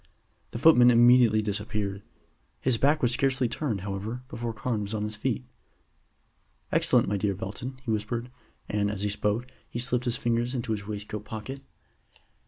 The footman immediately disappeared. His back was scarcely turned, however, before Carne was on his feet. "Excellent, my dear Belton," he whispered; and, as he spoke, he slipped his fingers into his waistcoat pocket.